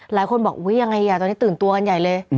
หลายคนบอกอุ๊ยยังไงตอนนี้ตื่นตัวกันใหญ่เลย